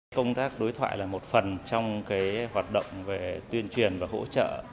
công tác đối thoại là một phần trong hoạt động về tuyên truyền và hỗ trợ